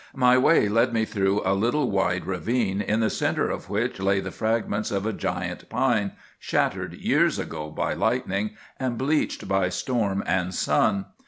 "My way led me through a little wide ravine, in the centre of which lay the fragments of a giant pine, shattered years ago by lightning, and bleached by storm and sun.